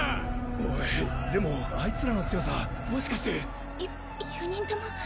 おいでもあいつらの強さもしかして。